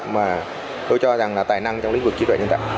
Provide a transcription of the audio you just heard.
mà tôi cho rằng là tài năng trong lĩnh vực trí tuệ nhân tạo